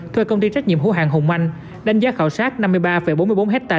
thuê công ty trách nhiệm hữu hàng hùng mạnh đánh giá khảo sát năm mươi ba bốn mươi bốn hectare